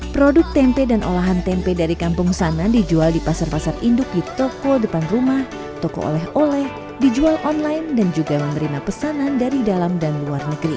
produk tempe dan olahan tempe dari kampung sanan dijual di pasar pasar induk di toko depan rumah toko oleh oleh dijual online dan juga menerima pesanan dari dalam dan luar negeri